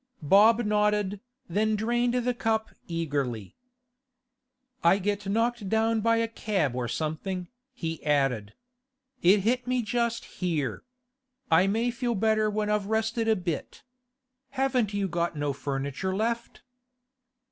Bob nodded, then drained the cup eagerly. 'I got knocked down by a cab or something,' he added. 'It hit me just here. I may feel better when I've rested a bit. 'Haven't you got no furniture left?